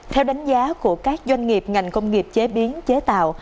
theo đánh giá của các doanh nghiệp ngành công nghiệp chế biến chế tạo